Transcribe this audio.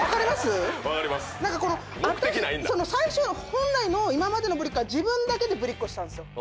本来の今までのぶりっ子は自分だけでぶりっ子してたんです。